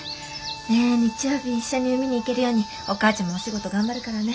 ねえ日曜日一緒に海に行けるようにお母ちゃまお仕事頑張るからね。